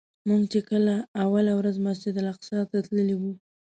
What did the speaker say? موږ چې کله اوله ورځ مسجدالاقصی ته تللي وو.